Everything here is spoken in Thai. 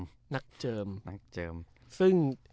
ซึ่งการเจิมที่ฮาที่สุดก็น่าจะเป็นเรื่องสุสุกี้ครับ